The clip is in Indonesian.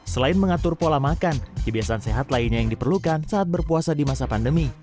selain mengatur pola makan kebiasaan sehat lainnya yang diperlukan saat berpuasa di masa pandemi